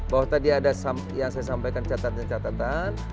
bahwa tadi ada yang saya sampaikan catatan catatan